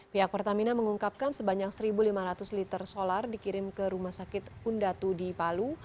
pihak pertamina mengungkapkan sebanyak satu lima ratus liter solar dikirim ke rumah sakit undatu di palu